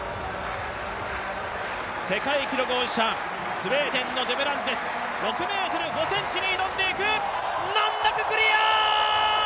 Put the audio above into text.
世界記録保持者、スウェーデンのデュプランティス、６ｍ５ｃｍに挑んでいく、難なくクリア！